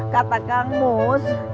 kata kang mus